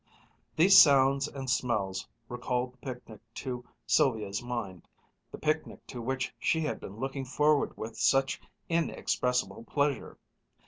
These sounds and smells recalled the picnic to Sylvia's mind, the picnic to which she had been looking forward with such inexpressible pleasure.